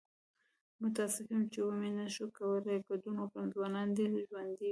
متاسف یم چې و مې نشو کولی ګډون وکړم. ځوانان دې ژوندي وي!